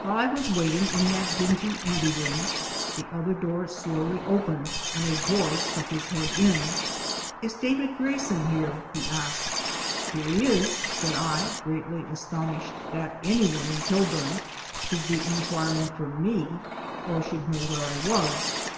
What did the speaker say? While I was waiting in that dingy ante room, the other door slowly opened and a boy stuck his head in. "Is David Grayson here?" he asked. "Here he is," said I, greatly astonished that any one in Kilburn should be inquiring for me, or should know where I was.